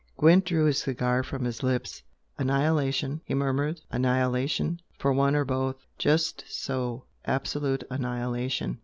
'" Gwent drew his cigar from his lips. "Annihilation!" he murmured "Annihilation? For one or both!" "Just so absolute annihilation!"